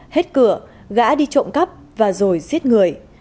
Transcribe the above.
hết cửa gã đi trộm cắp và rồi giết người